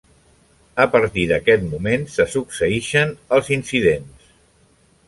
A partir d'aquest moment se succeeixen els incidents.